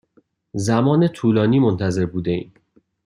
زمان طولانی منتظر بوده ایم.